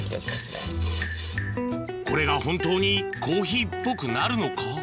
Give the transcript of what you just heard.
これが本当にコーヒーっぽくなるのか？